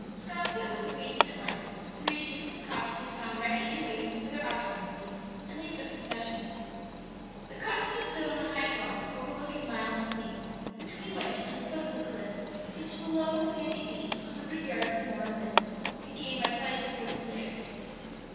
'Sconset was reached at length, three adjacent cottages found ready and waiting for their occupancy, and they took possession. The cottages stood on a high bluff overlooking miles of sea, between which and the foot of the cliff stretched a low sandy beach a hundred yards or more in width, and gained by flights of wooden stairs.